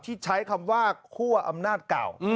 ใช้คำว่าคั่วอำนาจเก่า